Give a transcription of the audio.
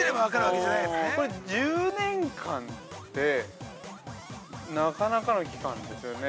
◆これ、１０年間ってなかなかの期間ですよね。